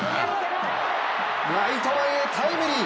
ライト前へタイムリー。